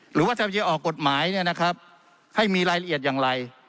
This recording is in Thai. หรือว่าถ้าจะออกกฎหมายเนี่ยนะครับให้มีรายละเอียดอย่างไร